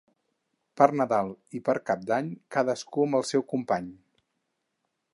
Per Nadal i per Cap d'Any, cadascú amb el seu company.